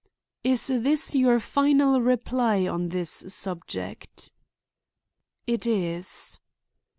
"Is this your final reply on this subject?" "It is."